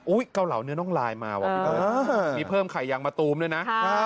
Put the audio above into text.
เกาเหลาเนื้อน้องลายมาว่ะพี่เบิร์ตมีเพิ่มไข่ยางมะตูมด้วยนะ